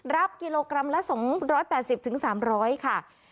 รับกิโลกรัมละ๒๘๐๓๐๐ค่ะ